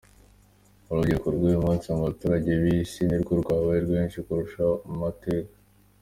Urubyiruko rw’uyu munsi mu baturage b’Isi nirwo rwabaye rwinshi kurushaho mu mateka.